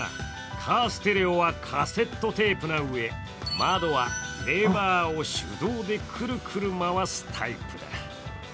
カーステレオはカセットテープなうえ、窓はレバーを手動でくるくる回すタイプだ。